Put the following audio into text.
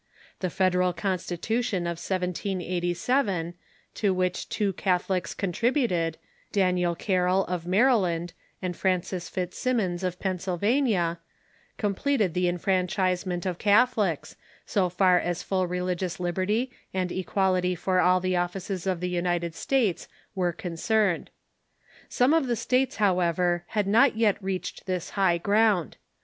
The Fedei al Constitution of 1787, to which two Catholics contributed — Daniel Carroll, of Mary land, and Thomas Fitzsimmons, of Pennsylvania — completed the enfranchisement of Catholics, so far as full religious liber ty and equality for all the ofiices of the United States were concerned. Some of the states, however, had not yet reached this high ground.